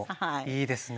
いいですね。